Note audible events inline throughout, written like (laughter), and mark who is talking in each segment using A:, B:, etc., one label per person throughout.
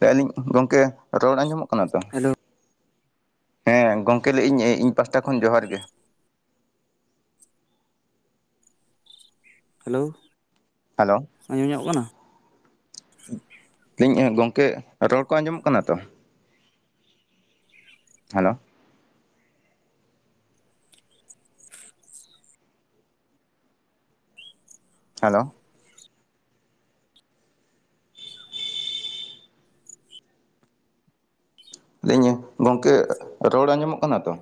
A: ᱞᱟᱹᱞᱤᱧ ᱜᱚᱝᱠᱮ, ᱨᱚᱲ ᱟᱸᱡᱚᱢᱚᱜ ᱠᱟᱱᱟ ᱛᱚ?
B: ᱦᱮᱞᱳ
A: ᱦᱮᱸ ᱜᱚᱝᱠᱮ ᱞᱟᱹᱭ ᱤᱧ ᱯᱟᱥᱴᱟ ᱠᱷᱚᱱ ᱡᱚᱦᱟᱨ ᱜᱮ᱾
B: ᱦᱮᱞᱳᱣ᱾
A: ᱦᱮᱞᱳ ᱞᱟᱹᱭ ᱤᱧ ᱜᱚᱝᱠᱮ ᱨᱚᱲ ᱠᱚ ᱟᱸᱡᱚᱢᱚᱜ ᱠᱟᱱᱟ ᱛᱚ? ᱦᱮᱞᱳ ᱦᱮᱞᱳ ᱞᱟᱹᱭᱤᱧ ᱜᱚᱝᱠᱮ ᱨᱚᱲ ᱟᱸᱡᱚᱢᱚᱜ ᱠᱟᱱᱟ ᱛᱚ?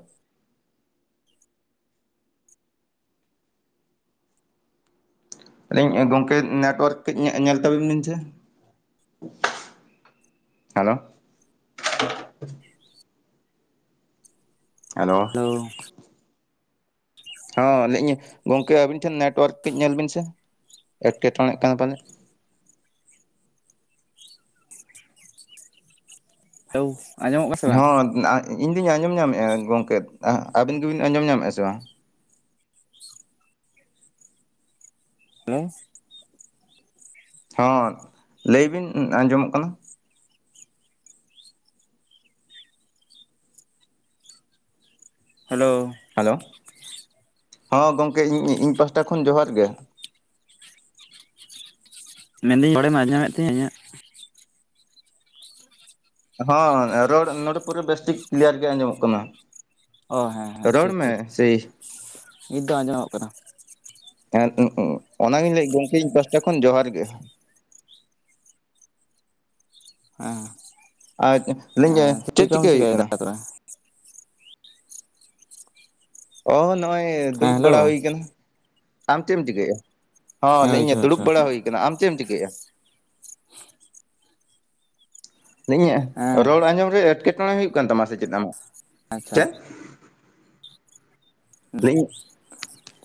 A: ᱟᱹᱞᱤᱧ ᱜᱚᱝᱠᱮ ᱱᱮᱴᱳᱣᱟᱨᱠ ᱠᱟᱹᱡ ᱧᱮ ᱧᱮᱞ ᱛᱟᱹᱵᱤᱱ ᱥᱮ᱾ ᱦᱮᱞᱳ ᱦᱮᱞᱳ
B: (unintelligible)
A: ᱦᱚᱸ ᱞᱟᱹᱭᱮᱫᱟᱹᱧ ᱜᱚᱝᱠᱮ ᱟᱹᱵᱤᱱ ᱴᱷᱮᱱ ᱱᱮᱴᱣᱟᱨᱠ ᱠᱟᱹᱡ ᱧᱮᱞ ᱵᱤᱱ ᱥᱮ, ᱮᱴᱠᱮᱴᱚᱬᱮᱜ ᱠᱟᱱᱟ ᱯᱟᱞᱮ᱾
B: (unintelligible) ᱵᱟᱝ
A: ᱦᱚᱸ ᱤᱧᱫᱚᱧ ᱟᱸᱡᱚᱢ ᱧᱟᱢᱮᱜᱼᱟ ᱜᱚᱝᱠᱮ ᱟᱹᱵᱤᱱ ᱜᱮᱵᱤᱱ ᱟᱸᱡᱚᱢ ᱧᱟᱢᱮᱜᱼᱟ ᱥᱮ ᱵᱟᱝ?
B: ᱦᱮᱞᱳ
A: ᱦᱚᱸ ᱞᱟᱹᱭ ᱵᱤᱱ ᱟᱸᱡᱚᱢᱚᱜ ᱠᱟᱱᱟ᱾
B: ᱦᱮᱞᱳ
A: ᱦᱮᱞᱳ ᱦᱮᱸ, ᱜᱚᱝᱠᱮ ᱤᱧ ᱤᱧ ᱯᱟᱦᱴᱟ ᱠᱷᱚᱱ ᱡᱚᱦᱟᱨ ᱜᱮ᱾
B: ᱢᱮᱱᱫᱟᱹᱧ ᱨᱚᱲᱮᱢ ᱟᱸᱡᱚᱢᱮᱫ ᱛᱤᱧᱟᱹ ᱤᱧᱟᱹᱜ?
A: ᱦᱚᱸ ᱨᱚᱲ ᱱᱚᱸᱰᱮ ᱯᱩᱨᱮ ᱵᱮᱥ ᱴᱷᱤᱠ ᱠᱞᱤᱭᱟᱨ ᱜᱮ ᱟᱸᱡᱚᱢᱚᱜ ᱠᱟᱱᱟ᱾
B: ᱚ ᱦᱮᱸ ᱦᱮᱸ
A: ᱨᱚᱲ
B: ᱴᱷᱤᱠ
A: ᱢᱮ
B: ᱴᱷᱤᱠ
A: ᱥᱮᱭ
B: ᱱᱤᱛ ᱫᱚ ᱟᱸᱡᱚᱢᱚᱜ ᱠᱟᱱᱟ᱾
A: ᱦᱮᱸ ᱚᱱᱟᱜᱤᱧ ᱞᱟᱹᱭᱮᱫ ᱜᱚᱝᱠᱮ ᱤᱧ ᱯᱟᱥᱴᱟ ᱠᱷᱚᱱ ᱡᱚᱦᱟᱨ ᱜᱮ᱾
B: ᱮᱸ
A: ᱟᱨ ᱞᱟᱹᱭᱟᱹᱧ
B: ᱮᱸ ᱪᱤᱜ
A: ᱪᱮᱫ
B: ᱠᱚᱢ
A: ᱪᱤᱠᱟᱹ ᱦᱩᱭᱩᱜ
B: ᱪᱤᱠᱟᱭ
A: ᱠᱟᱱᱟ
B: ᱫᱟ (inaudible)
A: ᱚ ᱱᱚᱜᱼᱚᱭ
B: ᱦᱮᱸ
A: ᱫᱩᱲᱩᱵ
B: ᱦᱮᱞᱳ
A: ᱵᱟᱲᱟ ᱦᱩᱭ ᱠᱟᱱᱟ᱾ ᱟᱢ ᱪᱮᱫ ᱮᱢ ᱪᱤᱠᱟᱹᱭᱮᱜᱼᱟ? ᱦᱚᱸ
B: ᱦᱮᱸ ᱦᱳᱭ
A: ᱞᱟᱹᱭᱮᱫᱟᱹᱧ
B: ᱡᱚᱦᱟᱨ
A: ᱫᱩᱲᱩᱵ
B: ᱡᱚᱦᱟᱨ
A: ᱵᱟᱲᱟ ᱦᱩᱭ ᱠᱟᱱᱟ᱾ ᱟᱢ ᱪᱮᱢ ᱪᱤᱠᱟᱹᱭᱮᱜᱼᱟ?
B: ᱦᱮᱸ
A: (unintelligible) ᱨᱚᱲ ᱟᱸᱡᱚᱢ ᱨᱮ ᱮᱴᱠᱮᱴᱚᱬᱮ ᱦᱩᱭᱩᱜ ᱠᱟᱱ ᱛᱟᱢᱟ ᱥᱮ ᱪᱮᱫ ᱟᱢ?
B: ᱟᱪᱪᱷᱟ᱾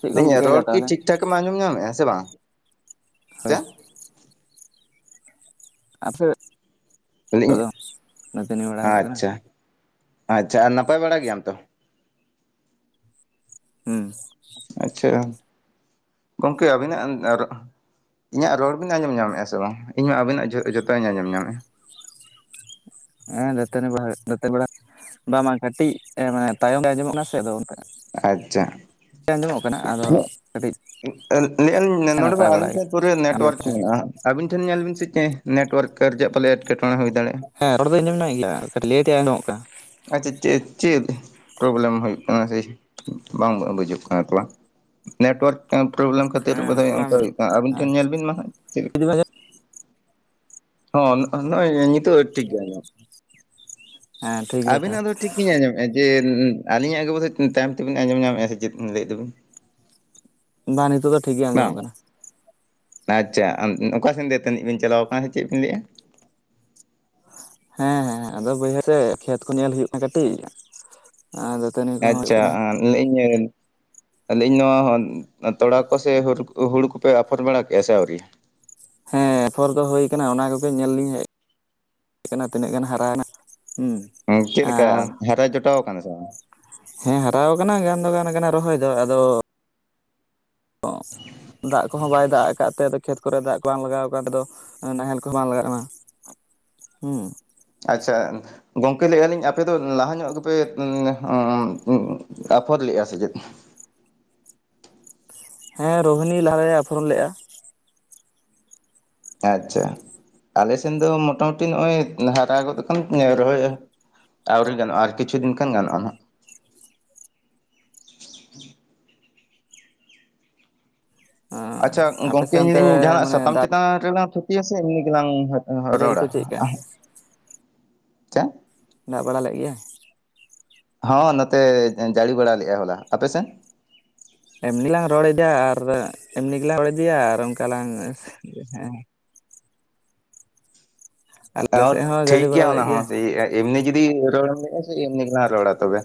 B: ᱪᱮᱫ ᱠᱚᱢ ᱪᱤᱠᱟᱹᱭᱮᱫᱟ
A: ᱨᱚᱲ ᱠᱤ
B: ᱛᱟᱦᱚᱞᱮ
A: ᱴᱷᱤᱠ ᱴᱷᱟᱠᱮᱢ ᱟᱸᱡᱚᱢ ᱧᱟᱢᱮᱜᱼᱟ ᱥᱮ ᱵᱟᱝ᱾ ᱪᱮ
B: ᱦᱳᱭ
A: ᱞᱟᱹᱭᱮᱫᱟᱹᱧ
B: (unintelligible) ᱫᱟᱹᱛᱟᱹᱱᱤ ᱵᱟᱲᱟᱭ ᱦᱩᱭᱩᱜ ᱠᱟᱱᱟ᱾
A: ᱟᱪᱪᱷᱟ ᱟᱪᱪᱷᱟ ᱟᱨ ᱱᱟᱯᱟᱭ ᱵᱟᱲᱟ ᱜᱮᱭᱟᱢ ᱛᱚ?
B: ᱦᱩᱸ
A: ᱟᱪᱪᱷᱟ ᱜᱚᱢᱠᱮ ᱟᱹᱵᱤᱱᱟᱜ ᱨᱚ ᱤᱧᱟᱹᱜ ᱨᱚᱲ ᱵᱤᱱ ᱟᱸᱡᱚᱢ ᱧᱟᱢᱮᱫᱼᱟ ᱥᱮ ᱵᱟᱝ? ᱤᱧᱢᱟ ᱟᱵᱤᱱᱟᱜ ᱡᱚᱛᱟᱜ ᱤᱧ ᱟᱸᱡᱚᱢ ᱧᱟᱢᱮᱫᱼᱟ
B: ᱦᱮᱸ ᱫᱟᱹᱛᱟᱹᱱᱤ ᱵᱟᱲᱟᱭ ᱦᱳ ᱫᱟᱹᱛᱟᱹ ᱵᱟᱲᱟ ᱵᱟᱝ ᱵᱟᱝ ᱠᱟᱹᱴᱤᱡ ᱢᱟᱱᱮ ᱛᱟᱭᱚᱢ ᱨᱮ ᱟᱸᱡᱚᱢᱚᱜ ᱠᱟᱱᱟ ᱥᱮ ᱟᱫᱚ ᱚᱱᱛᱮ
A: ᱟᱪᱪᱷᱟ
B: ᱟᱸᱡᱚᱢᱚᱜ ᱠᱟᱱᱟ ᱟᱫᱚ ᱠᱟᱹᱴᱤᱡ
A: ᱟᱹᱞ ᱞᱤᱧ ᱱᱚᱰᱮ ᱢᱟ
B: ᱱᱟᱯᱟᱭ ᱵᱟᱲᱟ
A: ᱟᱹᱞᱤᱧ
B: ᱜᱮ
A: ᱴᱷᱮᱱ ᱯᱩᱨᱟ
B: ᱟᱢᱜᱮ
A: ᱱᱮᱴᱳᱣᱟᱨᱠ
B: ᱚᱠᱟᱞᱮᱠᱟ?
A: ᱢᱮᱱᱟᱜ-ᱟ ᱟᱵᱤᱱ ᱴᱷᱮᱱ ᱧᱮᱞ ᱵᱤᱱ ᱥᱮ ᱪᱮᱫ ᱱᱮᱴᱣᱟᱨᱠ ᱠᱟᱨᱡᱟᱜ ᱯᱟᱞᱮ ᱮᱴᱠᱮᱴᱬᱮ ᱦᱩᱭ ᱫᱟᱲᱭᱟᱜᱼᱟ
B: ᱦᱮᱸ ᱨᱚᱲ ᱫᱚᱧ ᱟᱡᱟᱜ ᱧᱟᱢᱮᱫ ᱜᱮᱭᱟ ᱠᱟᱹᱴᱤᱡ ᱞᱮᱴᱧᱚᱜ ᱟᱡᱚᱢᱚᱜ ᱠᱟᱱᱟ
A: ᱟᱪᱪᱷᱟ ᱪᱮᱫ ᱪᱮᱫ? ᱯᱨᱚᱵᱞᱮᱢ ᱦᱩᱭᱩᱜ ᱠᱟᱱᱟ ᱥᱮ ᱵᱟᱝ ᱵᱩᱡᱩᱜ ᱠᱟᱱᱟ ᱛᱟᱲᱟ ᱱᱮᱴᱳᱣᱟᱨᱠ ᱯᱨᱚᱵᱞᱮᱢ ᱠᱷᱟᱹᱛᱤᱨ
B: ᱦᱮᱸ
A: ᱵᱟᱫᱷᱟᱹᱭ ᱵᱚᱪᱷᱚᱨ
B: ᱛᱷᱚᱲᱟᱢ
A: ᱟᱝᱠᱟ ᱦᱩᱭᱩᱜ ᱠᱟᱱᱟ ᱟᱵᱤᱱ
B: ᱦᱮᱸ
A: ᱴᱷᱮᱱ ᱧᱮᱞ ᱵᱤᱱ ᱢᱟ ᱦᱟᱸᱜ ᱦᱚ ᱱᱚᱜᱼᱚᱭ ᱱᱤᱛᱚᱜ ᱴᱷᱤᱠ ᱜᱮ ᱟᱡᱚᱢᱚᱜ
B: ᱦᱮᱸ ᱴᱷᱤᱠ ᱜᱮᱭᱟ ᱛᱟᱦᱚᱞᱮ
A: ᱟᱵᱤᱱᱟᱜ ᱫᱚ ᱴᱷᱤᱠᱜᱤᱧ ᱟᱸᱡᱚᱢᱮᱫᱼᱟ ᱡᱮ ᱟᱹᱞᱤᱧᱟᱜ ᱜᱮ ᱵᱚᱫᱷᱚᱨ ᱛᱟᱭᱚᱢ ᱛᱮᱵᱮᱱ ᱟᱸᱡᱚᱢ ᱧᱟᱢᱮᱫᱼᱟ ᱥᱮ ᱪᱮᱫ ᱵᱤᱱ ᱞᱟᱹᱭᱮᱫ ᱫᱚ ᱵᱤᱱ
B: ᱵᱟ ᱱᱤᱛᱚᱜ ᱫᱚ ᱴᱷᱤᱠ ᱜᱮ
A: ᱵᱟᱝ
B: ᱟᱸᱡᱚᱢᱚᱜ ᱠᱟᱱᱟ
A: ᱟᱪᱪᱷᱟ ᱚᱠᱟ ᱥᱮᱱ ᱫᱟᱹᱛᱟᱹᱱᱤᱜ ᱵᱤᱱ ᱪᱟᱞᱟᱣ ᱟᱠᱟᱱᱟ ᱥᱮ ᱪᱮᱫ ᱵᱤᱱ ᱞᱟᱹᱭᱮᱜᱼᱟ?
B: ᱦᱮᱸ ᱦᱮᱸ ᱟᱫᱚ ᱵᱟᱹᱭᱦᱟᱹᱲ ᱨᱮ ᱠᱷᱮᱛ ᱠᱚ ᱧᱮᱞ ᱦᱩᱭᱩᱜ ᱠᱟᱱᱟ ᱠᱟᱹᱴᱤᱡ ᱟᱨ ᱫᱟᱹᱛᱟᱹᱱᱤ ᱠᱚᱦᱚᱸ ᱦᱩᱭᱩᱜ
A: ᱟᱪᱪᱷᱟ
B: ᱠᱟᱱᱟ
A: ᱞᱟᱭᱮᱫ ᱤᱧ ᱞᱮᱭᱤᱜ ᱤᱧ ᱱᱚᱣᱟ ᱛᱚᱲᱟ ᱠᱚ ᱥᱮ ᱦᱩᱲᱩ ᱠᱚᱯᱮ ᱟᱯᱷᱚᱨ ᱵᱟᱲᱟ ᱠᱮᱫᱼᱟ ᱥᱮ ᱟᱹᱣᱨᱤ?
B: ᱦᱮᱸ ᱟᱯᱷᱚᱨ ᱫᱚ ᱦᱩᱭ ᱟᱠᱟᱱᱟ ᱚᱱᱟ ᱠᱚᱜᱮ ᱧᱮᱞ ᱞᱤᱧ ᱦᱮᱡ ᱠᱟᱱᱟ ᱛᱤᱱᱟᱹᱜ ᱜᱟᱱ ᱦᱟᱨᱟᱭᱱᱟ, ᱦᱩᱸ
A: ᱦᱩᱸ ᱪᱮᱫᱞᱮᱠᱟ
B: ᱟᱨ
A: ᱦᱟᱨᱟ ᱡᱚᱴᱟᱣ ᱟᱠᱟᱱᱟ ᱥᱮ ᱵᱟᱝ?
B: ᱦᱮᱸ ᱦᱟᱨᱟᱣ ᱠᱟᱱᱟ ᱜᱟᱱ ᱫᱚ ᱜᱟᱱ ᱠᱟᱱᱟ ᱨᱚᱦᱚᱭ ᱫᱚ ᱟᱫᱚ ᱫᱟᱜ ᱠᱚᱦᱚᱸ ᱵᱟᱭ ᱫᱟᱜ ᱟᱠᱟᱫ ᱛᱮ ᱟᱫᱚ ᱠᱷᱮᱛ ᱠᱚᱨᱮ ᱫᱟᱜ ᱠᱚ ᱵᱟᱝ ᱞᱟᱜᱟᱣ ᱠᱟᱱ ᱫᱚ ᱱᱟᱦᱮᱞ ᱠᱚᱦᱚᱸ ᱵᱟᱝ ᱞᱟᱜᱟᱜ ᱠᱟᱱᱟ ᱦᱮᱸ
A: ᱟᱪᱪᱷᱟ ᱜᱚᱝᱠᱮ ᱞᱟᱹᱭᱮᱜᱼᱟ ᱞᱤᱧ ᱟᱯᱮ ᱫᱚ ᱞᱟᱦᱟ ᱧᱚᱜ ᱜᱮᱯᱮ ᱩᱸ ᱟᱹ ᱩᱸ ᱟᱯᱷᱚᱨ ᱞᱮᱫᱼᱟ ᱥᱮ ᱪᱮᱫ?
B: ᱦᱮᱸ ᱨᱳᱦᱤᱱᱤ ᱞᱟᱦᱟᱨᱮ ᱟᱯᱷᱳᱨ ᱞᱮᱫᱼᱟ
A: ᱟᱪᱪᱷᱟ ᱟᱞᱮᱥᱮᱱ ᱫᱚ ᱢᱚᱴᱟ ᱢᱩᱴᱤ ᱱᱚᱜ ᱚᱭ ᱦᱟᱨᱟ ᱜᱚᱫ ᱟᱠᱟᱱ ᱨᱚᱦᱚᱭ ᱮᱦᱚ ᱟᱹᱣᱨᱤ ᱜᱟᱱᱚᱜᱼᱟ ᱟᱨ ᱠᱤᱪᱷᱩ ᱫᱤᱱ ᱠᱷᱟᱱ ᱜᱟᱱᱼᱟ ᱱᱟᱦᱟᱜ ᱟᱪᱪᱷᱟ
B: ᱟᱯᱮ
A: ᱜᱚᱝᱠᱮ
B: ᱥᱮᱫ
A: ᱤᱧ
B: ᱚᱱᱛᱮ
A: ᱞᱮᱤᱧ ᱡᱟᱦᱟᱱᱟᱜ
B: ᱢᱟᱱᱮ
A: ᱥᱟᱛᱟᱢ ᱪᱮᱛ
B: ᱫᱟᱜ
A: ᱪᱮᱛᱟᱱ ᱨᱮᱞᱟᱝ ᱛᱷᱩᱛᱤᱭᱟ ᱥᱮ ᱮᱢᱱᱤ ᱜᱮᱞᱟᱝ
B: ᱡᱟᱹᱲᱤ ᱠᱚ
A: ᱨᱚᱲᱟ?
B: ᱪᱮᱫ ᱞᱮᱠᱟ
A: ᱪᱮ
B: ᱫᱟᱜ ᱵᱟᱲᱟ ᱞᱮᱫ ᱜᱮᱭᱟ?
A: ᱦᱚᱸ ᱱᱚᱛᱮ ᱡᱟᱹᱲᱤ ᱵᱟᱲᱟ ᱞᱮᱫᱜ-ᱭ ᱦᱚᱞᱟ ᱟᱯᱮᱥᱮᱱ?
B: ᱮᱢᱱᱤ ᱞᱟᱝ ᱨᱚᱲ ᱮᱫᱟ ᱟᱨ ᱮᱢᱱᱤ ᱜᱮᱞᱟᱝ ᱨᱚᱲ ᱤᱫᱤᱭᱟ ᱟᱨ ᱚᱝᱠᱟ ᱞᱟᱝ ᱦᱮᱸ ᱦᱮᱸ ᱟᱞᱮ
A: ᱚ
B: ᱥᱮᱫ ᱦᱚᱸ ᱡᱟᱹᱲᱤ
A: ᱴᱷᱤᱠ ᱜᱮᱭᱟ
B: ᱵᱟᱲᱟ
A: ᱚᱱᱟ
B: ᱞᱮᱫ
A: ᱦᱚᱸ ᱮᱢᱱᱤ ᱡᱩᱫᱤ ᱨᱚᱲᱮᱢ ᱞᱮᱭᱮᱜᱼᱟ ᱡᱮ ᱮᱢᱱᱤ ᱜᱮᱞᱟᱝ ᱨᱚᱲᱟ ᱛᱚᱵᱮ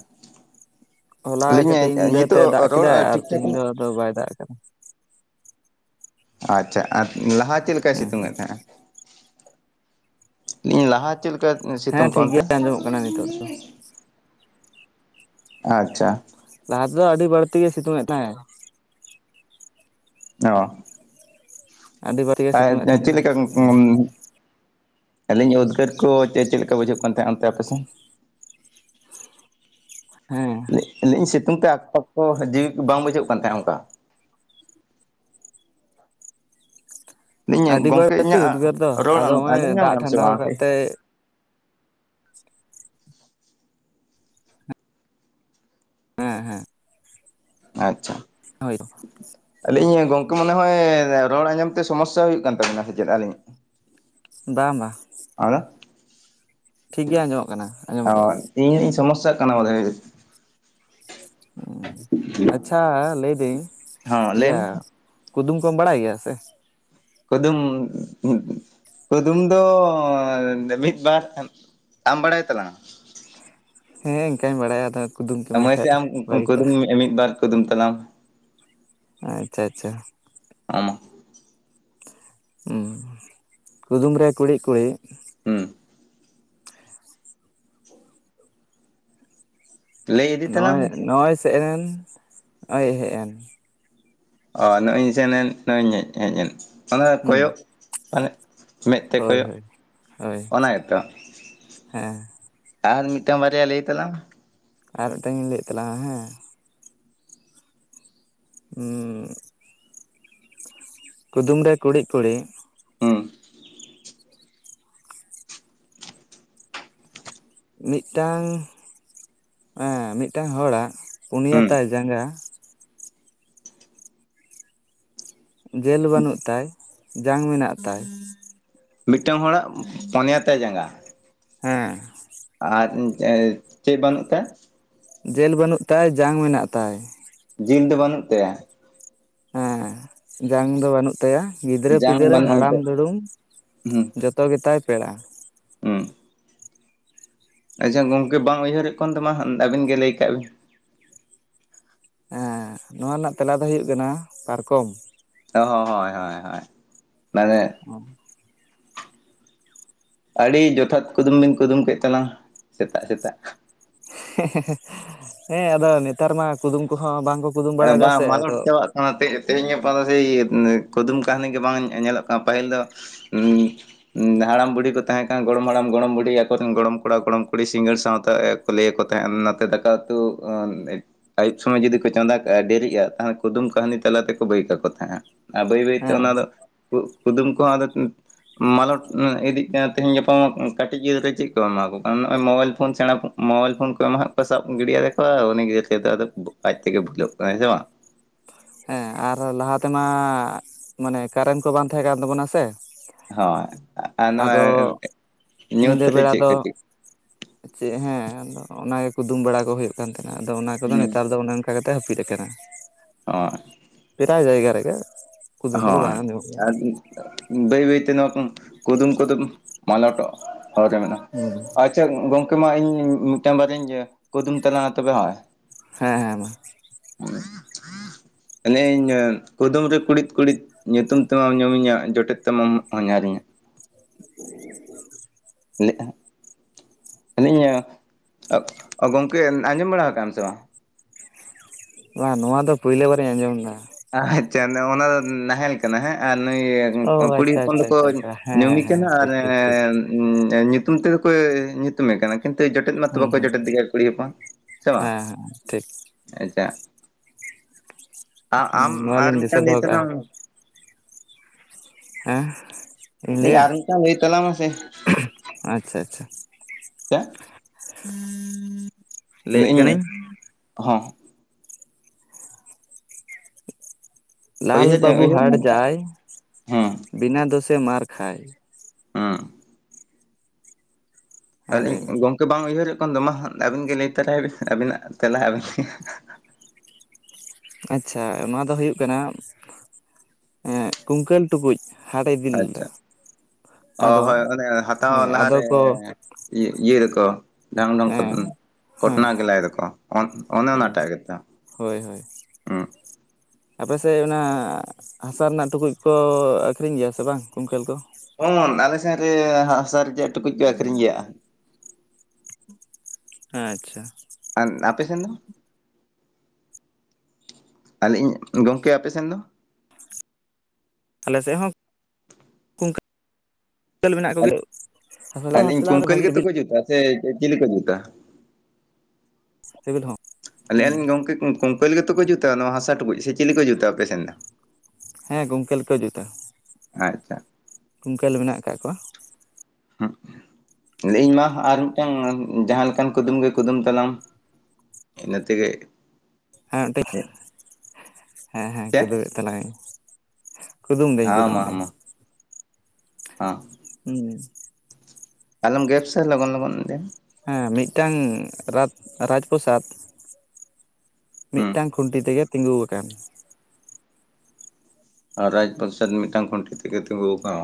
B: ᱦᱚᱞᱟ
A: ᱞᱟᱹᱭᱟᱹᱧ
B: ᱠᱟᱹᱴᱤᱡ ᱧᱤᱫᱟᱹ ᱛᱮᱜ
A: ᱱᱤᱛᱚᱜ
B: ᱫᱟᱜ
A: ᱨᱚᱲ
B: ᱠᱮᱫᱟᱭ ᱟᱨ
A: ᱴᱷᱤᱠ ᱴᱷᱟᱠ
B: ᱛᱤᱦᱤᱧ ᱫᱚ ᱟᱫᱚ ᱵᱟᱭ ᱫᱟᱜ ᱟᱠᱟᱫᱟ
A: ᱟᱪᱪᱷᱟ ᱟᱨ ᱞᱟᱦᱟ ᱪᱮᱫ ᱞᱮᱠᱟᱭ
B: ᱦᱩᱸ
A: ᱥᱤᱛᱩᱝ
B: ᱦᱩᱸ
A: ᱮᱫ ᱛᱟᱦᱮᱸᱜᱼᱟ? ᱞᱤᱧ ᱞᱟᱦᱟ ᱪᱮᱫ ᱞᱮᱠᱟ
B: ᱦᱮᱸ
A: ᱥᱤᱛᱩᱝ ᱠᱚᱜᱼᱟ
B: ᱴᱷᱤᱠ ᱜᱮ
A: ᱚᱱᱛᱮ?
B: ᱟᱸᱡᱚᱢᱚᱜ ᱠᱟᱱᱟ ᱱᱤᱛᱚᱜ ᱫᱚ
A: ᱟᱪᱪᱷᱟ
B: ᱞᱟᱦᱟ ᱛᱮᱫᱚ ᱟᱹᱰᱤ ᱵᱟᱹᱲᱛᱤ ᱜᱮ ᱥᱤᱛᱩᱝ ᱮᱜ ᱛᱟᱦᱮᱸᱫᱼᱮ
A: ᱚ
B: ᱟᱹᱰᱤ ᱵᱟᱹᱲᱛᱤ ᱜᱮ ᱥᱤᱛᱩᱝ ᱮᱫ
A: ᱟᱨ
B: ᱛᱟᱦᱮᱱᱟ
A: ᱪᱮᱫᱞᱮᱠᱟ ᱜᱩᱸ (unintelligible) ᱟᱹᱞᱤᱧ ᱩᱵᱜᱟᱤᱜᱟᱹᱨ ᱠᱚ ᱪᱮᱫ ᱪᱮᱫ ᱞᱮᱠᱟ ᱵᱩᱡᱷᱟᱹᱜ ᱠᱟᱱ ᱛᱟᱦᱮᱸᱫ ᱚᱱᱛᱮ ᱟᱯᱮᱥᱮᱱ?
B: ᱦᱮᱸ
A: ᱟᱞᱤᱧ ᱥᱤᱛᱩᱝ ᱛᱮ ᱟᱠᱯᱟᱠ ᱠᱚ ᱡᱤᱣᱤ ᱠᱚ ᱵᱟᱝ ᱵᱩᱡᱷᱟᱹᱜ ᱠᱟᱱ ᱛᱟᱦᱮᱸᱫ ᱚᱱᱠᱟᱼᱼ ᱞᱟᱹᱭᱟᱹᱧ
B: ᱟᱹᱰᱤ
A: ᱜᱚᱝᱠᱮ
B: ᱵᱟᱹᱲᱛᱤ
A: ᱤᱧᱟᱹᱜ
B: ᱩᱫᱽᱜᱟᱹᱨ ᱫᱚ
A: ᱨᱚᱲ
B: ᱟᱫᱚ ᱱᱚᱜ ᱚᱭ
A: ᱟᱸᱡᱚᱢ
B: ᱫᱟᱜ
A: ᱧᱟᱢᱮᱫ ᱟᱢ ᱥᱮ
B: ᱴᱷᱟᱱᱰᱟᱣ
A: ᱵᱟᱝ?
B: ᱠᱟᱫᱛᱮᱭ ᱦᱮᱸ ᱦᱮᱸ
A: ᱟᱪᱪᱷᱟ
B: ᱦᱳᱭ
A: ᱞᱮᱭᱮᱜᱤᱧ ᱜᱚᱝᱠᱮ ᱢᱚᱱᱮ ᱦᱚᱭ ᱨᱚᱲ ᱟᱸᱡᱚᱢ ᱛᱮ ᱥᱚᱢᱚᱥᱥᱟ ᱦᱩᱭᱩᱜ ᱠᱟᱱ ᱛᱟᱹᱵᱤᱱᱟ ᱥᱮ ᱪᱮᱫ ᱟᱹᱞᱤᱧᱟᱜ
B: ᱵᱟᱝ ᱵᱟᱝ
A: ᱟᱫᱚᱼᱼ
B: ᱴᱷᱤᱠ ᱜᱮ ᱟᱸᱡᱚᱢᱚᱜ ᱠᱟᱱᱟ ᱟᱸᱡᱚᱢ ᱠᱚᱫᱚ
A: ᱤᱧ ᱦᱟᱜᱤᱧ ᱥᱚᱢᱚᱥᱥᱟᱜ ᱠᱟᱱᱟ ᱵᱚᱫᱷᱚᱣ
B: ᱚ ᱟᱪᱪᱷᱟ ᱞᱟᱹᱭᱫᱟᱹᱧ
A: ᱦᱚᱸ ᱞᱟᱹᱭ
B: ᱮᱭᱟ
A: ᱢᱮ
B: ᱠᱩᱫᱩᱢ ᱠᱚᱢ ᱵᱟᱲᱟᱭ ᱜᱮᱭᱟ ᱥᱮ
A: ᱠᱩᱫᱩᱢ ᱠᱩᱫᱩᱢ ᱫᱚ ᱢᱤᱫ ᱵᱟᱨ ᱟᱢ ᱵᱟᱲᱟᱭ ᱛᱟᱞᱟᱝ ᱟᱢ
B: ᱦᱮᱸ ᱤᱱᱠᱟᱧ ᱵᱟᱲᱟᱭᱟ ᱟᱫᱷ
A: ᱢᱚᱭᱥᱮ ᱟᱢ ᱠᱩᱫᱩᱢ ᱢᱮ ᱢᱤᱫ ᱵᱟᱨ ᱠᱩᱫᱩᱢ ᱛᱟᱞᱟᱝ ᱢᱮ
B: ᱟᱪᱪᱷᱟ ᱟᱪᱪᱷᱟ
A: ᱟᱢ
B: ᱠᱩᱫᱩᱢ ᱨᱮ ᱠᱩᱲᱤᱫ ᱠᱩᱲᱤᱫ
A: ᱦᱩᱸ ᱞᱟᱹᱭ ᱤᱫᱤ ᱛᱟᱞᱟᱝ
B: ᱱᱚᱜᱼᱚᱭ
A: ᱢᱮᱥᱮ
B: ᱱᱚᱜᱼᱚᱭ ᱥᱮᱱ ᱮᱱ ᱱᱚᱜᱭ ᱦᱮᱡ ᱮᱱ
A: ᱚ ᱱᱚᱜᱼᱚᱭᱤᱧ ᱥᱮᱱᱮᱱ ᱱᱚᱜᱼᱚᱭᱤᱧ ᱦᱮᱡ ᱮᱱ ᱚᱱᱟ ᱫᱚ
B: ᱦᱩᱸ
A: ᱠᱚᱭᱚᱜ ᱢᱟᱱᱮ ᱢᱮᱫ ᱛᱮ
B: ᱦᱳᱭ
A: ᱠᱚᱭᱚᱜ
B: ᱦᱳᱭ ᱦᱳᱭ
A: ᱚᱱᱟ ᱜᱮᱛᱚ
B: ᱦᱮᱸ
A: ᱟᱨ ᱢᱤᱫᱴᱟᱝ ᱵᱟᱨᱭᱟ ᱞᱟᱹᱭ ᱛᱟᱞᱟᱝ ᱢᱮ
B: ᱟᱨ ᱢᱤᱫᱴᱟᱝᱤᱧ ᱞᱟᱹᱭᱮᱫ ᱛᱟᱞᱟᱝᱼᱟ ᱦᱮᱸ ᱠᱩᱫᱩᱢ ᱨᱮ ᱠᱩᱲᱤᱜ ᱠᱩᱲᱤᱜ
A: ᱦᱩᱸ
B: ᱢᱤᱫᱴᱟᱝ ᱮᱸ ᱢᱤᱫᱴᱟᱝ ᱦᱚᱲᱟᱜ ᱯᱩᱱᱭᱟ
A: ᱦᱩᱸ
B: ᱛᱟᱭ ᱡᱟᱸᱜᱟ ᱡᱮᱞ ᱵᱟᱹᱱᱩᱜ ᱛᱟᱭ ᱡᱟᱝ ᱢᱮᱱᱟᱜ ᱛᱟᱭ
A: ᱢᱤᱫᱴᱟᱝ ᱦᱚᱲᱟᱜ ᱯᱚᱱᱭᱟ ᱛᱟᱭ ᱡᱟᱸᱜᱟ
B: ᱦᱮᱸ
A: ᱟᱨ ᱪᱮ - ᱪᱮᱫ ᱵᱟᱹᱱᱩᱜ ᱛᱟᱭ
B: ᱡᱮᱞ ᱵᱟᱹᱱᱩᱜ ᱛᱟᱭ ᱡᱟᱝ ᱢᱮᱱᱟᱜ ᱛᱟᱭ
A: ᱡᱤᱞ ᱫᱚ ᱵᱟᱹᱱᱩᱜ ᱛᱟᱭᱟ
B: ᱦᱮᱸ ᱡᱟᱝ ᱫᱚ ᱵᱟᱹᱱᱩᱜ ᱛᱟᱭᱟ ᱜᱤᱫᱽᱨᱟᱹ
A: ᱡᱟᱝ
B: ᱯᱤᱫᱽᱨᱟᱹ
A: ᱵᱟᱹᱱᱩᱜ
B: ᱦᱟᱲᱟᱢ
A: ᱮᱱᱛᱮ
B: ᱫᱩᱲᱩᱢ
A: ᱦᱩᱸ
B: ᱡᱚᱛ ᱡᱚᱛᱚ ᱜᱮᱛᱟᱭ ᱯᱮᱲᱟᱼᱟ
A: ᱦᱩᱸ ᱟᱪᱪᱷᱟ ᱜᱚᱝᱠᱮ ᱵᱟᱝ ᱩᱭᱦᱟᱹᱨ ᱚᱜ ᱠᱟᱱ ᱫᱚ ᱢᱟ ᱟᱹᱵᱤᱱ ᱜᱮ ᱞᱟᱹᱭ ᱠᱟᱜ ᱵᱤᱱ
B: ᱦᱮᱸ ᱱᱚᱣᱟ ᱨᱮᱱᱟᱜ ᱛᱮᱞᱟ ᱫᱚ ᱦᱩᱭᱩᱜ ᱠᱟᱱᱟ ᱯᱟᱨᱠᱚᱢ
A: ᱚ ᱦᱚᱸ ᱦᱚᱭ ᱦᱚᱭ ᱦᱚᱭ ᱢᱟᱱᱮ
B: (inaudible)
A: ᱟᱹᱰᱤ ᱡᱚᱛᱷᱟᱛ ᱠᱩᱫᱩᱢ ᱵᱤᱱ ᱠᱩᱫᱩᱢ ᱠᱮᱫ ᱛᱟᱞᱟᱝ ᱥᱮᱛᱟᱜ ᱥᱮᱛᱟᱜ
B: ᱦᱮᱸᱻᱦᱮᱸᱻᱦᱮᱸ ᱦᱮᱸ ᱟᱫᱚ ᱱᱮᱛᱟᱨ ᱢᱟ ᱠᱩᱫᱩᱢ ᱠᱚᱦᱚᱸ ᱵᱟᱝᱠᱚ ᱠᱩᱫᱩᱢ
A: ᱮ
B: ᱵᱟᱲᱟᱭᱮᱫᱟ
A: ᱵᱟᱝ
B: ᱥᱮ
A: ᱢᱟᱞᱚᱴ
B: ᱟᱫᱚ
A: ᱪᱟᱵᱟᱜ ᱚ ᱛᱮ - ᱛᱮᱦᱮᱧ ᱜᱟᱯᱟ ᱫᱚ ᱦᱮᱭ ᱠᱩᱫᱩᱢ ᱠᱟᱹᱦᱱᱤ ᱜᱮ ᱵᱟᱝ ᱧᱮ-ᱧᱮᱞᱚᱜ ᱠᱟᱱᱟ ᱯᱟᱹᱦᱤᱞ ᱫᱚ ᱩ ᱩᱸ ᱦᱟᱲᱟᱢ ᱵᱩᱰᱷᱤ ᱠᱚ ᱛᱟᱦᱮᱸᱠᱟᱱ ᱜᱚᱲᱚᱢ ᱦᱟᱲᱟᱢ ᱜᱚᱲᱚᱢ ᱵᱩᱰᱷᱤ ᱟᱠᱚ ᱨᱮᱱ ᱜᱚᱲᱚᱢ ᱠᱚᱲᱟ ᱜᱚᱲᱚᱢ ᱠᱩᱲᱤ ᱥᱤᱸᱜᱟᱹᱲ ᱥᱟᱶᱛᱟ ᱮ ᱞᱟᱹᱭ ᱟᱠᱚ ᱛᱟᱦᱮᱸᱫ ᱮ ᱱᱚᱛᱮ ᱫᱟᱠᱟ ᱩᱛᱩ ᱩ ᱟᱹᱭᱩᱵ ᱥᱚᱢᱚᱭ ᱡᱩᱫᱤ ᱠᱚ ᱪᱚᱸᱫᱟ ᱮ ᱰᱮᱨᱤᱜ-ᱟ ᱛᱟᱦᱚᱞᱮ ᱠᱩᱫᱩᱢ ᱠᱟᱹᱦᱱᱤ ᱛᱟᱞᱟ ᱛᱮᱠᱚ ᱵᱟᱹᱭ ᱠᱟᱠᱚ ᱛᱟᱦᱮᱸᱫ-ᱟ ᱟᱨ ᱵᱟᱹᱭ ᱵᱟᱹᱭᱛᱮ
B: ᱦᱮᱸ
A: ᱚᱱᱟ ᱫᱚ ᱠᱩ-ᱠᱩᱫᱩᱢ ᱠᱚᱦᱚᱸ ᱟᱫᱚ ᱢᱟᱞᱚᱴ ᱤᱫᱤᱜ ᱠᱟᱱᱟ ᱛᱮᱦᱮᱧ ᱜᱟᱯᱟ ᱢᱟ ᱠᱟᱹᱴᱤᱡ ᱜᱤᱫᱽᱨᱟᱹ ᱪᱮᱫ ᱠᱚ ᱮᱢᱟ ᱠᱚ ᱠᱟᱱᱟ ᱱᱚᱜ-ᱚᱭ ᱢᱳᱵᱟᱭᱤᱞ ᱯᱷᱳᱱ ᱥᱮᱸᱲᱟ ᱯᱷᱚ- ᱢᱳᱵᱟᱭᱤᱞ ᱯᱷᱳᱱ ᱠᱚ ᱮᱢᱟᱦᱟᱜ ᱠᱚᱣᱟ ᱥᱟᱵ ᱜᱤᱰᱤᱭᱟᱫᱮᱭᱟ ᱠᱚ ᱩᱱᱤ ᱜᱮ ᱪᱮᱫ ᱟᱫᱚ ᱟᱡ ᱛᱮᱜᱮ ᱵᱷᱩᱞᱟᱹᱣ ᱠᱚᱜ-ᱟᱭ ᱦᱮᱸ ᱥᱮ ᱵᱟᱝ
B: ᱦᱮᱸ ᱟᱨ ᱞᱟᱦᱟ ᱛᱮᱢᱟ ᱢᱟᱱᱮ ᱠᱟᱨᱮᱱᱴ ᱠᱚ ᱵᱟᱝ ᱛᱟᱦᱮᱸ ᱠᱟᱱ ᱛᱟᱵᱚᱱᱟ ᱥᱮ
A: ᱦᱚᱭ ᱟᱨ ᱱᱚᱣᱟ
B: ᱟᱫᱚ
A: ᱧᱩᱛ ᱨᱮ ᱪᱮᱫ ᱠᱚ ᱪᱤᱠ
B: ᱪᱮᱜ ᱦᱮᱸ ᱟᱫᱚ ᱚᱱᱟᱜᱮ ᱠᱩᱫᱩᱢ ᱵᱟᱲᱟ ᱠᱚ ᱦᱩᱭᱩᱜ ᱠᱟᱱ ᱛᱟᱦᱮᱱᱟ ᱟᱫᱚ ᱚᱱᱟ ᱠᱚᱫᱚ
A: ᱦᱩᱸ
B: ᱱᱮᱛᱟᱨ ᱫᱚ ᱚᱱᱮ- ᱚᱱᱠᱟ ᱠᱟᱛᱮᱛ ᱦᱟᱹᱯᱤᱫ ᱠᱟᱱᱟ
A: ᱦᱚᱭ
B: ᱯᱨᱟᱭ ᱡᱟᱭᱜᱟ ᱨᱮᱜᱮ ᱠᱩᱫᱩᱢ ᱠᱚᱫᱚ ᱵᱟᱝ
A: ᱦᱳᱭ
B: ᱟᱸᱡᱚᱢᱚᱜ ᱜᱮᱭᱟ᱾
A: ᱟᱨ ᱵᱟᱹᱭ ᱵᱟᱹᱭᱛᱮ ᱱᱚᱣᱟ ᱠᱚ ᱠᱩᱫᱩᱢ ᱠᱩᱫᱩᱢ ᱢᱟᱞᱚᱴᱚᱜ ᱦᱚᱨ ᱨᱮ ᱢᱮᱱᱟᱜ
B: ᱦᱩᱸ
A: ᱟᱪᱪᱷᱟ ᱜᱚᱝᱠᱮ ᱢᱟ ᱤᱧ ᱢᱤᱫᱴᱟᱝ ᱵᱟᱨᱭᱟᱹᱧ ᱮᱸ ᱠᱩᱫᱩᱢ ᱛᱟᱞᱟᱝᱟ ᱛᱚᱵᱮ ᱦᱚᱭ
B: ᱦᱮᱸ ᱦᱮᱸ ᱢᱟ
A: ᱞᱟᱹᱭᱟᱹᱧ ᱠᱩᱫᱩᱢ ᱨᱮ ᱠᱩᱬᱤᱫ ᱠᱩᱬᱤᱫ ᱧᱩᱛᱩᱢ ᱛᱮᱢᱟᱢ ᱧᱩᱢ ᱤᱧᱟ ᱡᱚᱴᱮᱫ ᱛᱮᱢᱟᱢ ᱦᱚᱧᱦᱟᱨ ᱤᱧᱟ
B: (inaudible)
A: ᱞᱮᱜ-ᱟ ᱢᱮᱱᱮᱫ ᱟᱹᱧ ᱚᱜ ᱚ ᱜᱚᱝᱠᱮ ᱟᱸᱡᱚᱢ ᱵᱟᱲᱟ ᱠᱟᱜ-ᱟᱢ ᱥᱮ ᱵᱟᱝᱟ?
B: ᱵᱟᱝ ᱱᱚᱣᱟ ᱫᱚ ᱯᱳᱭᱞᱳ ᱵᱟᱨᱤᱧ ᱟᱸᱡᱚᱢ ᱫᱟ
A: ᱟᱪᱪᱷᱟ ᱱᱚᱜ-ᱚ ᱱᱚᱣᱟ ᱫᱚ ᱱᱟᱦᱮᱞ ᱠᱟᱱᱟ ᱦᱮᱸ ᱟᱨ ᱱᱩᱭ
B: ᱚ
A: ᱠᱩᱲᱤ
B: ᱟᱪᱪᱷᱟ
A: ᱦᱚᱯᱚᱱ
B: ᱟᱪᱪᱷᱟ
A: ᱫᱚᱠᱚ
B: ᱟᱪᱪᱷᱟ ᱟᱪᱪᱷᱟ ᱦᱮᱸ
A: ᱧᱩᱢᱮ
B: ᱦᱮᱸ
A: ᱠᱟᱱᱟ ᱟᱨ
B: ᱴᱷᱤᱠ ᱴᱷᱤᱠ ᱴᱷᱤᱠ
A: ᱮᱸᱻ ᱩᱸ ᱮ ᱧᱩᱛᱩᱢ ᱛᱮᱫᱚ ᱠᱚ ᱧᱩᱛᱩᱢᱮ ᱠᱟᱱᱟ ᱠᱤᱱᱛᱩ ᱡᱚᱴᱮᱫ ᱢᱟᱛᱚ
B: ᱦᱩᱸ
A: ᱵᱟᱠᱚ
B: ᱦᱩᱸ
A: ᱡᱚᱴᱮᱫ ᱮᱭᱟ ᱠᱩᱲᱤ ᱦᱚᱯᱚᱱ ᱥᱮ ᱵᱟᱝ
B: ᱦᱮᱸ ᱦᱮᱸ ᱴᱷᱤᱠ
A: ᱟᱪᱪᱷᱟ ᱟ-ᱟᱢ ᱟᱨ
B: ᱱᱚᱣᱟᱞᱤᱧ ᱫᱤᱥᱟᱹ
A: ᱢᱤᱫᱴᱟᱝ ᱞᱟᱹᱭ
B: ᱫᱚᱦᱚ ᱠᱟᱜᱼᱟ
A: ᱛᱟᱞᱟᱝ ᱢᱮ
B: ᱦᱮᱸ ᱤᱧ
A: (unintelligible)
B: ᱞᱟᱹᱭᱟ
A: ᱟᱨ ᱢᱤᱫᱴᱟᱝ ᱞᱟᱹᱭ ᱛᱟᱞᱟᱝ ᱢᱮᱥᱮ
B: ᱟᱪᱪᱷᱟ ᱟᱪᱪᱷᱟ ᱞᱟᱹᱭᱮᱜ ᱠᱟᱹᱱᱟᱹᱧ
A: ᱤᱧ ᱦᱚᱸ
B: ᱞᱟᱞ
A: ᱩᱭᱦᱟᱹᱨ
B: ᱵᱟᱹᱵᱩ
A: ᱩᱭᱦᱟᱹᱨ
B: ᱦᱟᱴ ᱡᱟᱭ
A: ᱦᱮᱸ
B: ᱵᱤᱱᱟ ᱫᱳᱥᱮ ᱢᱟᱨ ᱠᱷᱟᱭ
A: ᱦᱚᱸ
B: ᱦᱮᱸ
A: ᱟᱹᱞᱤᱧ
B: ᱞᱟᱹᱭ ᱢᱮ
A: ᱜᱚᱝᱠᱮ ᱵᱟᱝ ᱩᱭᱦᱟᱹᱨᱚᱜ ᱠᱟᱱ ᱫᱚ ᱢᱟ ᱟᱹᱵᱤᱱ ᱜᱮ ᱞᱟᱹᱭ ᱛᱟᱨᱟᱭ ᱵᱤᱱ ᱟᱹᱵᱤᱱᱟᱜ ᱛᱮᱞᱟ ᱟᱹᱵᱤᱱ ᱜᱮ (unintelligible)
B: ᱟᱪᱪᱷ, ᱱᱚᱣᱟ ᱫᱚ ᱦᱩᱭᱩᱜ ᱠᱟᱱᱟ ᱮᱸᱜ ᱠᱩᱝᱠᱟᱹᱞ ᱴᱩᱠᱩᱡ
A: ᱟᱪᱪᱷᱟ
B: (unintelligible)
A: ᱚ
B: ᱟᱫᱚ
A: ᱦᱚᱭ ᱚᱱᱮ ᱦᱟᱛᱟᱣ
B: ᱦᱮᱸ ᱟᱫᱚ
A: ᱞᱟᱦᱟᱨᱮᱻ
B: ᱠᱚ
A: ᱤᱭᱟᱹ-ᱤᱭᱟᱹᱭ ᱫᱚᱠᱚ ᱰᱷᱟᱝ ᱰᱷᱚᱝ ᱠᱚ
B: ᱦᱮᱸ
A: ᱩᱸ
B: ᱦᱮᱸ
A: ᱠᱚᱴᱱᱟ ᱜᱮᱞᱟᱭ ᱫᱚᱠᱚ ᱚᱱ ᱚᱱᱮ ᱚᱱᱟᱴᱟᱜ ᱜᱮᱛᱚ ᱦᱩᱸ
B: ᱟᱯᱮ ᱥᱮᱫ ᱚᱱᱟ ᱦᱟᱥᱟ ᱨᱮᱱᱟᱜ ᱴᱩᱠᱩᱡ ᱠᱚ ᱟᱹᱠᱷᱨᱤᱧ ᱜᱮᱭᱟ ᱥᱮ ᱵᱟᱝ ᱠᱩᱝᱠᱟᱹᱞ ᱠᱚ?
A: ᱦᱚᱱ, ᱟᱞᱮ ᱥᱮᱱ ᱨᱮ ᱦᱟᱥᱟ ᱨᱮᱭᱟᱜ ᱴᱩᱠᱩᱡ ᱠᱚ ᱟᱹᱠᱷᱨᱤᱧ ᱜᱮᱭᱟ
B: ᱟᱪᱪᱷᱟ
A: ᱟᱨ ᱟᱯᱮ ᱥᱮᱱ ᱫᱚ ᱟᱨ ᱞᱟᱹᱭᱮᱜ-ᱟᱹᱧ ᱜᱚᱝᱠᱮ ᱟᱯᱮ ᱥᱮᱱ ᱫᱚ?
B: ᱟᱞᱮ ᱥᱮᱫ ᱦᱚᱸ ᱠᱩᱝᱠᱟᱹ ᱠᱟᱹᱞ ᱢᱮᱱᱟᱜ ᱠᱚᱜᱮ ᱦᱚᱞᱟ
A: ᱟᱹᱞᱤᱧ
B: ᱵᱟᱯᱞᱟᱨᱮ
A: ᱠᱩᱝᱠᱟᱹᱞ
B: ᱵᱷᱟᱜᱮ
A: ᱜᱮᱛᱚ
B: ᱵᱤᱞ
A: ᱠᱚ ᱡᱩᱛᱟ ᱥᱮ ᱪᱤᱞᱤ ᱠᱚ ᱡᱩᱛᱟ
B: (unintelligible) ᱦᱚᱸ
A: ᱞᱟᱹᱭᱮᱜ-ᱟᱞᱤᱧ ᱜᱚᱝᱠᱮ ᱠᱩᱝᱠᱟᱹᱞ ᱜᱮᱛᱚ ᱠᱚ ᱡᱩᱛᱟ ᱱᱚᱣᱟ ᱦᱟᱥᱟ ᱴᱩᱠᱩᱡ ᱥᱮ ᱪᱤᱞᱤ ᱠᱚ ᱡᱩᱛᱟ ᱟᱯᱮ ᱥᱮᱱ ᱫᱚ
B: ᱦᱮᱸ ᱠᱩᱝᱠᱟᱹᱞ ᱜᱮᱠᱚ ᱡᱩᱛᱟ᱾
A: ᱟᱪᱪᱷᱟ
B: ᱠᱩᱝᱠᱟᱹᱞ ᱢᱮᱱᱟᱜ ᱟᱠᱟᱜ ᱠᱚᱣᱟ
A: ᱦᱩᱸ, ᱞᱟᱹᱭᱤᱧ ᱢᱟ ᱟᱨ ᱢᱤᱫᱴᱟᱝ ᱡᱟᱦᱟᱸ ᱞᱮᱠᱟᱱ ᱠᱩᱫᱩᱢ ᱜᱮ ᱠᱩᱫᱩᱢ ᱛᱞᱟᱝ ᱤᱱᱟᱹ ᱛᱮᱜᱮ
B: ᱦᱮᱸ ᱢᱤᱫᱴᱟᱝ ᱦᱮᱸ ᱦᱮᱸ
A: ᱪᱮᱫ
B: ᱠᱩᱫᱩᱢᱮᱫᱽ ᱛᱟᱞᱟᱝ ᱟᱹᱧ᱾ ᱠᱩᱫᱩᱢ ᱫᱟᱹᱧ ᱠᱩᱫᱩᱢ ᱫᱟᱹᱧ
A: ᱦᱮᱸ
B: ᱦᱩᱸ
A: ᱟᱞᱚᱢ ᱜᱮᱯ ᱥᱮ ᱞᱚᱜᱚᱱ ᱞᱚᱜᱚᱱ (unintelligible)
B: ᱦᱮᱸ ᱢᱤᱫᱴᱟᱝ ᱨᱟᱛᱽ ᱨᱟᱡᱽ ᱯᱨᱚᱥᱟᱫᱽ
A: ᱦᱩᱸ
B: ᱢᱤᱫᱴᱟᱝ ᱠᱷᱩᱱᱴᱤ ᱛᱮᱜᱮ ᱛᱤᱸᱜᱩᱣᱟᱠᱟᱱ
A: ᱨᱟᱡᱽ ᱯᱚᱨᱥᱟᱫ ᱢᱤᱫᱴᱟᱝ ᱠᱷᱩᱱᱴᱤ ᱛᱮᱜᱮ ᱛᱤᱸᱜᱩ ᱟᱠᱟᱱ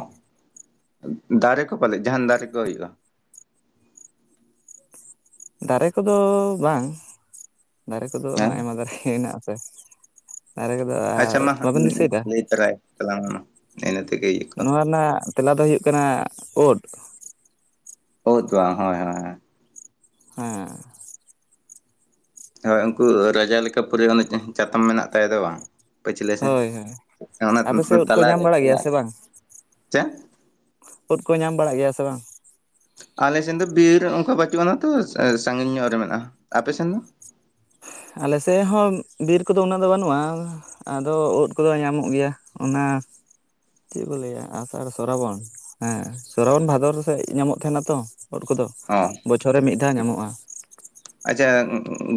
A: ᱫᱟᱨᱮ ᱠᱚ ᱯᱟᱞᱮᱫ ᱡᱟᱦᱟᱱ ᱫᱟᱨᱮ ᱠᱚ ᱦᱩᱭᱩᱜᱼᱟ᱾
B: ᱫᱟᱨᱮ ᱠᱚᱫᱚ ᱵᱟᱝ ᱫᱟᱨᱮ ᱠᱚᱫᱚ
A: ᱦᱮᱸ
B: ᱟᱭᱢᱟ ᱫᱟᱨᱮ ᱜᱮ ᱦᱮᱱᱟᱜ ᱟᱥᱮ ᱫᱟᱨᱮ ᱠᱚᱫᱚ ᱟᱨ
A: ᱟᱪᱪᱷᱟ ᱢᱟ
B: ᱵᱟᱵᱮᱱ ᱫᱤᱥᱟᱹᱭᱮᱫᱟ᱾
A: (unintelligible) ᱱᱮᱜ ᱱᱮᱛᱮ ᱜᱮ ᱤᱭᱟᱹᱜ
B: ᱱᱚᱣᱟ ᱨᱮᱱᱟᱜ ᱛᱮᱞᱟ ᱫᱚ ᱦᱩᱭᱩᱜ ᱠᱟᱱᱟ ᱩᱫ
A: ᱩᱫ ᱫᱚ ᱵᱟᱝ ᱦᱳᱭ ᱦᱳᱭ
B: ᱦᱮᱸ
A: ᱦᱳᱭ ᱩᱱᱠᱩ ᱨᱟᱡᱟ ᱞᱮᱠᱟ ᱯᱮᱨᱟᱹ ᱪᱟᱛᱟᱢ ᱢᱮᱱᱟᱜ ᱛᱟᱭ ᱫᱚ ᱵᱟᱝ ᱯᱟᱹᱪᱦᱞᱟᱸ ᱥᱮ
B: ᱦᱳᱭ ᱦᱳᱭ
A: ᱚᱱᱟ
B: ᱟᱯᱮ ᱥᱮᱫ ᱳᱫ ᱠᱚ
A: ᱛᱟᱞᱟ
B: ᱧᱟᱢ
A: ᱨᱮ
B: ᱵᱟᱲᱟᱜ
A: ᱛᱟᱞᱟ
B: ᱜᱮᱭᱟ
A: ᱨᱮ
B: ᱥᱮ
A: ᱪᱮᱫ
B: ᱩᱫ ᱠᱚ ᱧᱟᱢ ᱵᱟᱲᱟᱜ ᱜᱮᱭᱟ ᱥᱮ ᱵᱟᱝ?
A: ᱟᱞᱮᱥᱮᱱ ᱫᱚ ᱵᱤᱨ ᱚᱱᱠᱟ ᱵᱟᱪᱩᱜ ᱟᱱᱟ ᱛᱚ ᱥᱟᱺᱜᱤᱧ ᱧᱚᱜ ᱨᱮ ᱢᱮᱱᱟᱜᱼᱟ ᱟᱯᱮ ᱥᱮᱱ ᱫᱚ?
B: ᱟᱞᱮ ᱥᱮᱫ ᱦᱚᱸ ᱵᱤᱨ ᱠᱚᱫᱚ ᱩᱱᱟᱹᱜ ᱫᱚ ᱵᱟᱹᱱᱩᱜᱼᱟ᱾ ᱟᱫᱚ ᱩᱫ ᱠᱚᱫᱚ ᱧᱟᱢᱚᱜ ᱜᱮᱭᱟ ᱚᱱᱟ ᱪᱮᱫ ᱠᱚ ᱞᱟᱹᱭᱟ ᱟᱥᱟᱲ ᱥᱚᱨᱟᱵᱚᱱ ᱦᱮᱸ ᱥᱚᱨᱟᱵᱚᱱ ᱵᱷᱟᱫᱚᱨ ᱥᱮᱫ ᱧᱟᱢᱚᱜ ᱛᱟᱦᱮᱱᱟ ᱛᱚ ᱩᱫ ᱠᱚᱫᱚ᱾
A: ᱦᱚᱸ
B: ᱚ ᱨᱮ ᱢᱤᱫ ᱫᱷᱟᱣ ᱧᱟᱢᱚᱜᱼᱟ᱾
A: ᱟᱪᱷᱟ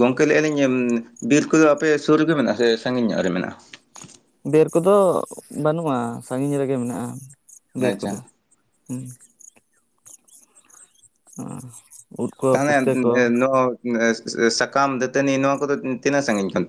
A: ᱜᱚᱝᱠᱮ ᱞᱟᱹᱭᱮᱜ ᱟᱹᱞᱤᱧ ᱵᱤᱨ ᱠᱚᱫᱚ ᱟᱯᱮ ᱥᱩᱨ ᱨᱮᱜᱮ ᱢᱮᱱᱟᱜᱼᱟ ᱥᱮ ᱥᱟᱺᱜᱤᱧ ᱧᱚᱜ ᱨᱮ ᱢᱮᱱᱟᱜᱼᱟ᱾
B: ᱵᱤᱨ ᱠᱚᱫᱚ ᱵᱟᱹᱱᱩᱜᱼᱟ ᱥᱟᱺᱜᱤᱧ ᱨᱮᱜᱮ ᱢᱮᱱᱟᱜᱼᱟ ᱵᱤᱨ
A: ᱟᱪᱪᱷᱟ
B: ᱠᱚᱫᱚ ᱦᱩ ᱦᱩᱸ
A: (unintelligible) ᱱᱚᱣᱟ ᱥᱟᱠᱟᱢ ᱫᱟᱹᱛᱟᱹᱱᱤ ᱱᱚᱣᱟ ᱠᱚᱫᱚ ᱛᱤᱱᱟᱹᱜ ᱥᱟᱺᱟᱹᱜᱤᱧ ᱠᱷᱚᱱ ᱯᱮ